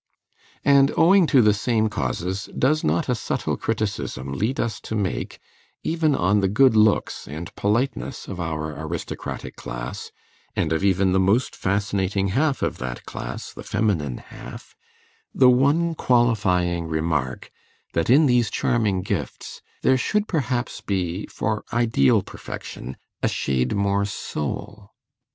And owing to the same causes, does not a subtle criticism lead us to make, even on the good looks and politeness of our aristocratic class, and of even the most fascinating half of that class, the feminine half, the one qualifying remark, that in these charming gifts there should perhaps be, for ideal perfection, a shade more soul?